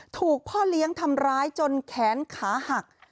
ถูกพ่อเลี้ยงทำร้ายจนแขนขาหัก